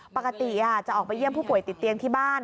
ปกติจะออกไปเยี่ยมผู้ป่วยติดเตียงที่บ้าน